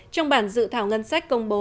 trong bản dự thảo ngân sách công bố